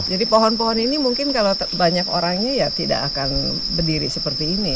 jadi pohon pohon ini mungkin kalau banyak orangnya ya tidak akan berdiri seperti ini